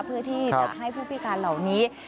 เพื่อที่จะให้ผู้พิการเหล่านี้